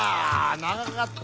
長かった。